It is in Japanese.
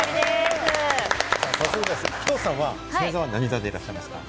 鬼頭さんは星座は何座でいらっしゃいますか？